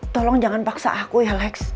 tolong jangan paksa aku ya alex